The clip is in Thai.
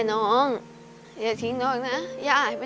นี้เป็นรายการทั่วไปสามารถรับชมได้ทุกวัย